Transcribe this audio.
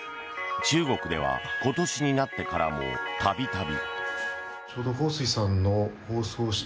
中国では今年になってからも度々。